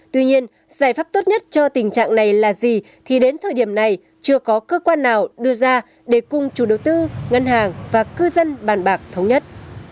tuy nhiên giải pháp tốt nhất cho tình trạng này là gì thì đến thời điểm này chưa có cơ quan nào đưa ra để cùng chủ đầu tư ngân hàng và cư dân bàn bạc thống nhất